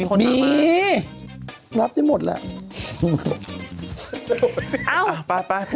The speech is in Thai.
ตรงนี้มันมีว่างอยู่ไหม